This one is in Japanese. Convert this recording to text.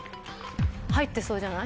入ってそうじゃない？